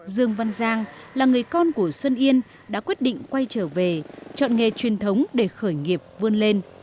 dương văn giang là người con của xuân yên đã quyết định quay trở về chọn nghề truyền thống để khởi nghiệp vươn lên